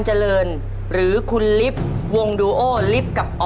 ตัวเลือกที่สี่